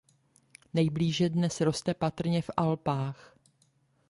Nejblíže dnes roste patrně v Alpách.